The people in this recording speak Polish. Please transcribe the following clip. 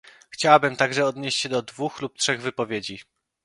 Chciałabym także odnieść się do dwóch lub trzech wypowiedzi